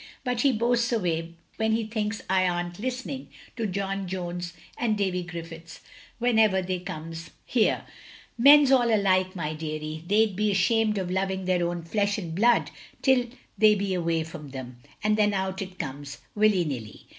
But he boasts away when he thinks I are n't listening, to John Jones and Davy Griffiths, whenever they comes 146 THE LONELY LADY here. Men 's all alike, my deary; they be ashamed of loving their own flesh and blood till they be away from them, and then out it comes — ^willy nilly.'